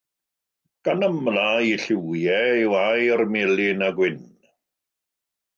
Gan amlaf ei lliwiau yw aur, melyn a gwyn.